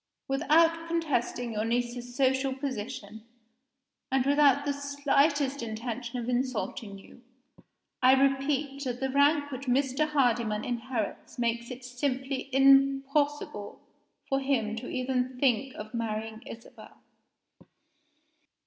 Without contesting your niece's social position and without the slightest intention of insulting you I repeat that the rank which Mr. Hardyman inherits makes it simply impossible for him even to think of marrying Isabel.